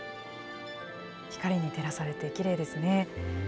光に照らされてきれいですね。